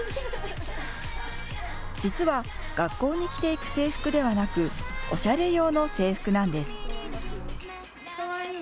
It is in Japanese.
実は学校に着ていく制服ではなくおしゃれ用の制服なんです。